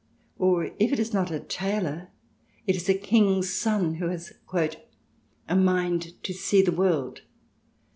Or if it is not a tailor, it is a King's son who has a " mind to see the world."